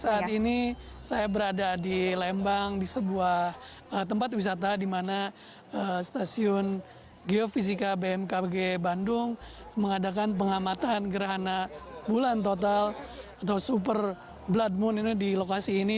saat ini saya berada di lembang di sebuah tempat wisata di mana stasiun geofisika bmkg bandung mengadakan pengamatan gerhana bulan total atau super blood moon ini di lokasi ini